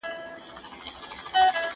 د کتابتون غړیتوب ترلاسه کړئ.